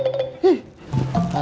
tidakkan aku coba